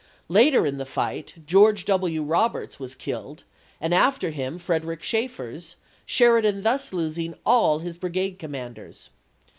Later in the fight George W. Roberts was killed, and after him Frederick Schaefer, Sheridan thus losing all his brigade commanders.